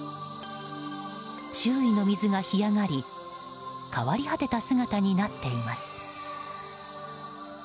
周囲の水が干上がり変わり果てた姿になっています。